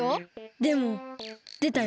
でもでたよ。